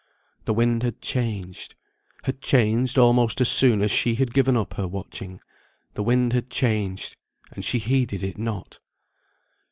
The wind had changed had changed almost as soon as she had given up her watching; the wind had changed, and she heeded it not.